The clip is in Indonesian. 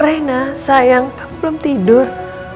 reina sayang aku belum tidur